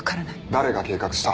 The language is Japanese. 誰が計画した？